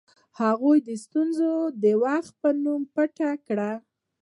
هغوی ستونزه د وخت په نوم پټه کړه.